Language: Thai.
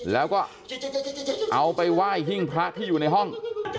แล้วก็เอาไปไหว้หิ้งพระที่อยู่ในห้อง